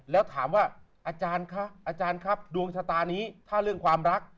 แล้วถามว่าอาจารย์คะอาจารย์ครับดวงชะตานี้ถ้าเรื่องความรัก